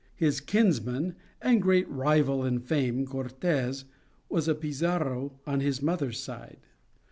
His kinsman and great rival in fame, Cortes, was a Pizarro on his mother's side.